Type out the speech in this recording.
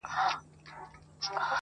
• نوم يې کله کله د خلکو په خوله راځي,